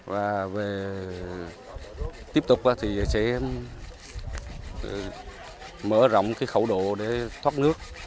và về tiếp tục thì sẽ mở rộng cái khẩu độ để thoát nước